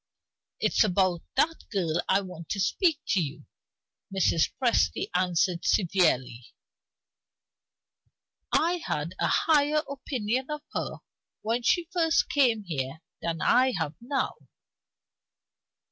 "It's about that girl I want to speak to you," Mrs. Presty answered, severely. "I had a higher opinion of her when she first came here than I have now."